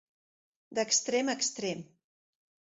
D'extrem a extrem.